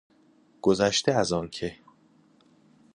گذشته از آن که...